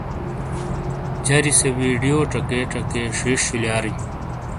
جری سے ویڈیوز چکے چکے ݜیݜ شولیاری۔